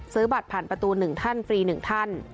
บัตรผ่านประตู๑ท่านฟรี๑ท่าน